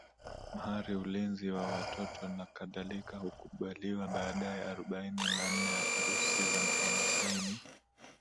mahari ulinzi wa watoto nakadhalika hukubaliwa baadaye arobaini na nne Arusi za Wamasai ni